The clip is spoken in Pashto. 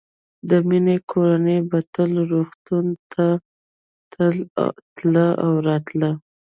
د مينې کورنۍ به تل روغتون ته تله او راتله